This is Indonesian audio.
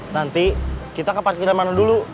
nanti kita ke parkiran mana dulu